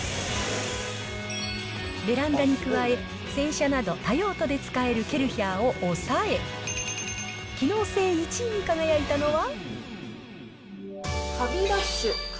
ベランダに加え、洗車など、多用途で使えるケルヒャーを抑え、機能性１位に輝いたのは。